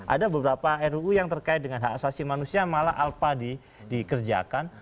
ada beberapa ruu yang terkait dengan hak asasi manusia malah alpha dikerjakan